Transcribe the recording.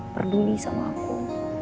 perdui sama aku